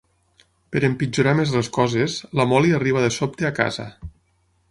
Per empitjorar més les coses, la Molly arriba de sobte a casa.